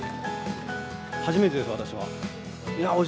初めてです、私は。